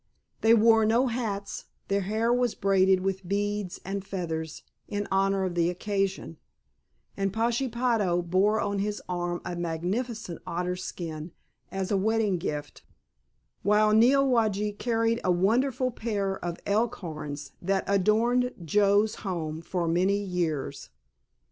They wore no hats, their hair was braided with beads and feathers in honor of the occasion, and Pashepaho bore on his arm a magnificent otter skin as a wedding present, while Neowage carried a wonderful pair of elk horns that adorned Joe's home for many years.